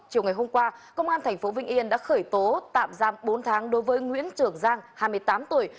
chiều ngày hôm qua công an thành phố vĩnh yên đã khởi tố tạm giam bốn tháng đối với nguyễn trường giang hai mươi tám tuổi